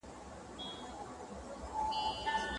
استاد تېره ورځ د مسویدې پیلنۍ برخه ولوستله.